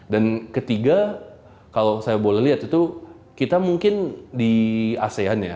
dan ketiga kalau saya boleh lihat itu kita mungkin di asean ya